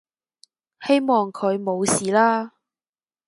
希望佢冇事啦